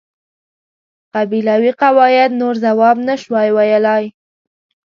قبیلوي قواعد نور ځواب نشوای ویلای.